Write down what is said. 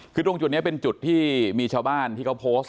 คือตรงจุดนี้เป็นจุดที่มีชาวบ้านที่เขาโพสต์